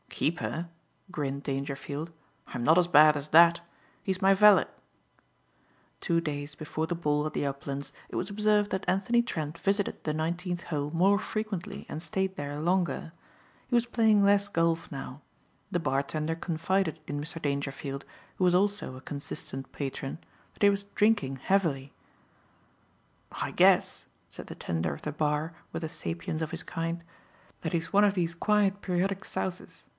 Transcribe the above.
"Keeper," grinned Dangerfield, "I'm not as bad as that. He's my valet." Two days before the ball at the Uplands it was observed that Anthony Trent visited the Nineteenth Hole more frequently and stayed there longer. He was playing less golf now. The bartender confided in Mr. Dangerfield, who was also a consistent patron, that he was drinking heavily. "I guess," said the tender of the bar with the sapience of his kind, "that he's one of these quiet periodic souses.